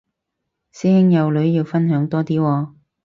師兄有女要分享多啲喎